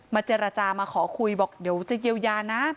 เจรจามาขอคุยบอกเดี๋ยวจะเยียวยานะ